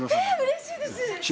うれしいです。